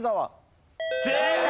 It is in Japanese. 正解！